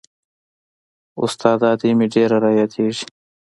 استاده ادې مې ډېره رايادېږي.